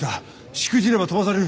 しくじれば飛ばされる。